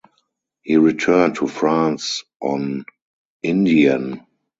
He returned to France on "Indien".